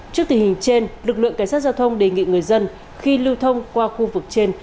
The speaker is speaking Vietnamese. trước tình hình trên lực lượng cảnh sát giao thông đề nghị người dân khi lưu thông qua khu vực trên